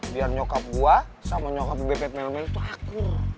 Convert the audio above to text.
biar nyokap gue sama nyokap bebet melmen tuh akur